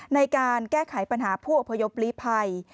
ในการแก้ไขปัญหาผู้อพยพลีภัย